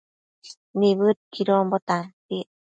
Nibëdquidonbo tantiec